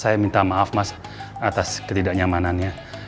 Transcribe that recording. saya minta maaf mas atas ketidaknyamanannya